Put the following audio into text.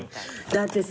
だってさ